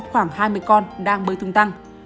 đàn cá heo khoảng hai mươi con đang bơi tung tăng